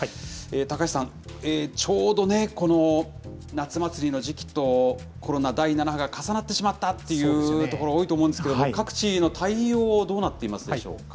高橋さん、ちょうどね、この夏祭りの時期と、コロナ第７波が重なってしまったというところが多いと思うんですけども、各地の対応はどうなっていますでしょうか。